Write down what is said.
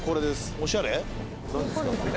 おしゃれ？